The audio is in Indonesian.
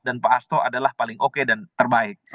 dan pak hasto adalah paling oke dan terbaik